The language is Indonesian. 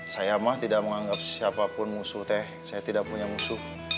saya mah tidak menganggap siapapun musuh teh saya tidak punya musuh